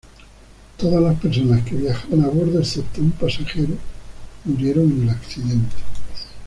Todas las personas que viajaban a bordo, excepto un pasajero, murieron en el accidente.